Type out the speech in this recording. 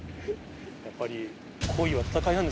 やっぱり。